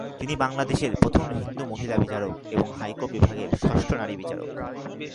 তিনি বাংলাদেশের প্রথম হিন্দু মহিলা বিচারক এবং হাইকোর্ট বিভাগের ষষ্ঠ নারী বিচারক।